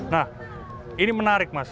nah ini menarik mas